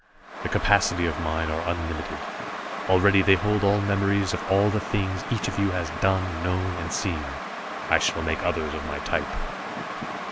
The capacity of mine are unlimited. Already they hold all memories of all the things each of you has done, known and seen. I shall make others of my type."